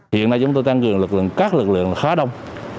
hiện nay chúng tôi tăng cường các lực lượng khá đông